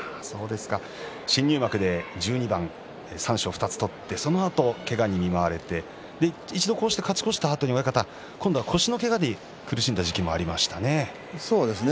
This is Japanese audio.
新入幕で１２番、三賞を２つ取ってそのあとけがに見舞われて一度勝ち越したあとに今度は腰のけがで苦しんだ時期もありましたね。